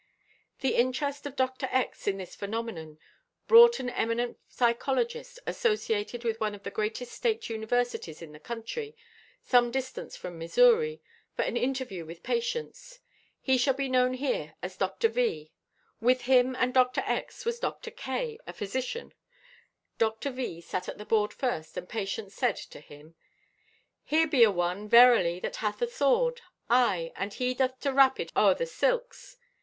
The interest of Dr. X. in this phenomenon brought an eminent psychologist, associated with one of the greatest state universities in the country, some distance from Missouri, for an interview with Patience. He shall be known here as Dr. V. With him and Dr. X. was Dr. K., a physician. Dr. V. sat at the board first, and Patience said to him: "Here be a one, verily, that hath a sword. Aye, and he doth to wrap it o'er o' silks.